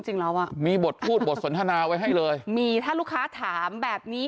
จริงแล้วอ่ะมีบทพูดบทสนทนาไว้ให้เลยมีถ้าลูกค้าถามแบบนี้